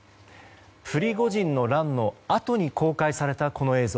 プリゴジンの乱のあとに公開されたこの映像。